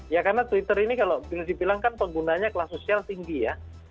ya karena twitter ini kalau dibilang kan penggunanya kelas sosial tinggi ya